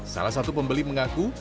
salah satu pembeli mengaku